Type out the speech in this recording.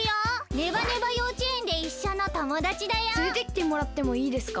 ネバネバようちえんでいっしょのともだちだよ。つれてきてもらってもいいですか？